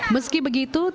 meski begitu tiada keinginan